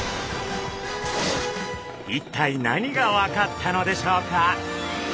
一体何が分かったのでしょうか？